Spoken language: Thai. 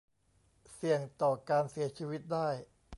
เสี่ยงต่อการเสียชีวิตได้